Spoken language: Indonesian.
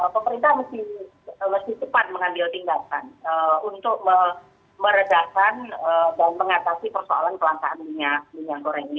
pemerintah mesti cepat mengambil tindakan untuk meredakan dan mengatasi persoalan kelangkaan minyak goreng ini